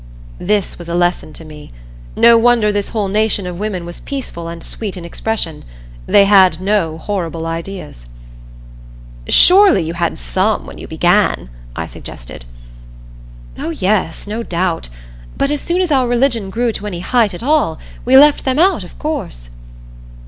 This was a lesson to me. No wonder this whole nation of women was peaceful and sweet in expression they had no horrible ideas. "Surely you had some when you began," I suggested. "Oh, yes, no doubt. But as soon as our religion grew to any height at all we left them out, of course."